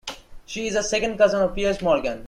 She is a second cousin of Piers Morgan.